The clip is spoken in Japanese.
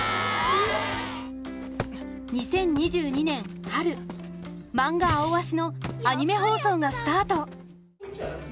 ２０２２年春マンガ「アオアシ」のアニメ放送がスタート。